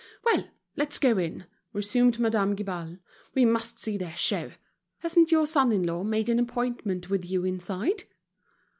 "Well! let's go in," resumed Madame Guibal. "We must see their show. Hasn't your son in law made an appointment with you inside?"